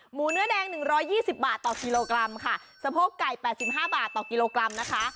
หมูเนื้อแดง๑๒๐บาทต่อกิโลกรัมค่ะสะโพกไก่๘๕บาทต่อกิโลกรัมนะคะ